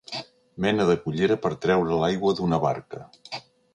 Mena de cullera per treure l'aigua d'una barca.